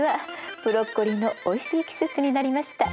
ブロッコリーのおいしい季節になりました。